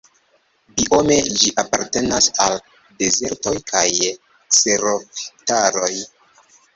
Biome ĝi apartenas al dezertoj kaj kserofitaroj.